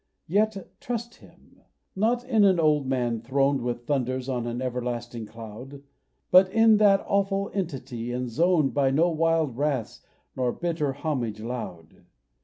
Yet trust in Him! Not in an old man throned With thunders on an everlasting cloud, But in that awful Entity enzoned By no wild wraths nor bitter homage loud.